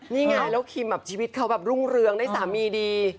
นี่ไงแล้วคิมแบบชีวิตเขาแบบรุ่งเรืองได้สามีดี